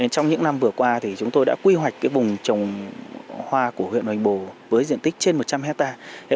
trong những năm vừa qua chúng tôi đã quy hoạch vùng trồng hoa của huyện hoành bồ với diện tích trên một trăm linh hectare